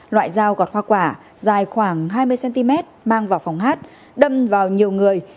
loại dao gọt hoa quả dài khoảng hai mươi cm mang vào phòng hát đâm vào nhiều người